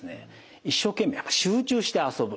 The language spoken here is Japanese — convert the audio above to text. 一生懸命やっぱ集中して遊ぶ。